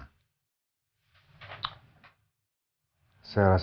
supaya kalian bisa kembali bersama